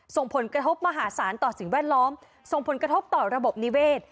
ส่งผลกระทบมหาศาลต่อสิ่งแวดล้อมส่งผลกระทบต่อระบบนิเวศ